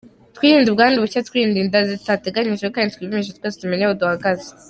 Twirinde ubwandu bushya, twirinde inda zitateganijwe kandi twipimishe twese tumenye aho duhagaze.